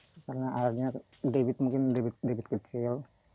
karena airnya debit mungkin debit kecil